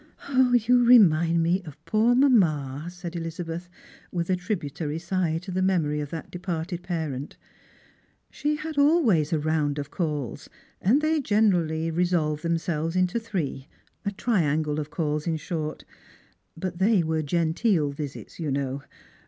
" You remind me of poor mamma," said Elizabeth, with a tribu tary sigh to the memory of that departed parent ; "she had alwaya a round of calls, and they generally resolved themselves into three — a triangle of calls, in short. But they were genteel visits, you know.